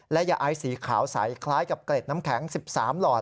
และยาไอสีขาวใสคล้ายกับเกร็ดน้ำแข็ง๑๓หลอด